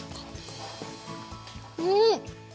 うん！